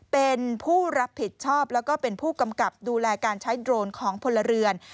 เป็นผู้รับผิดชอบแล้วก็เป็นผู้กำกับดูแลการใช้โดรนของพลเรือน